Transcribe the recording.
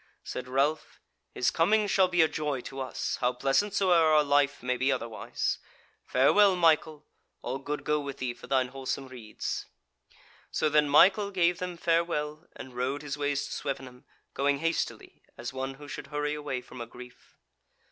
Said Ralph: "His coming shall be a joy to us, how pleasant soever our life may be otherwise. Farewell, Michael! all good go with thee for thine wholesome redes." So then Michael gave them farewell, and rode his ways to Swevenham, going hastily, as one who should hurry away from a grief.